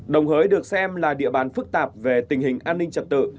đồng hới được xem là địa bàn phức tạp về tình hình an ninh trật tự